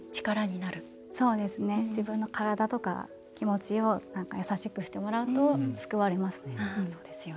自分の体とか気持ちを優しくしてもらうと救われますね。